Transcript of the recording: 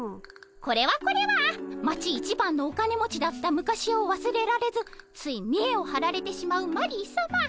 これはこれは町一番のお金持ちだった昔をわすれられずついみえをはられてしまうマリーさま。